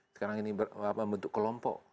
sekarang ini berbentuk kelompok